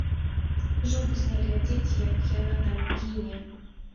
Жудасна глядзець, як яна там гіне.